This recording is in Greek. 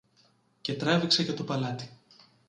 και τράβηξε για το παλάτι.